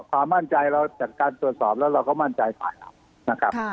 ความมั่นใจเราจากการตรวจสอบแล้วเราก็มั่นใจฝ่ายเรานะครับ